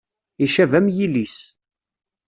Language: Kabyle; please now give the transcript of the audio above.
Icab am yilis.